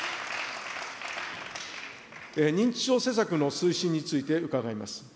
認知症施策の推進について伺います。